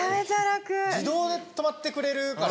自動で留まってくれるから。